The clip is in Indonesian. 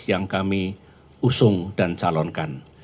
yang kami usung dan calonkan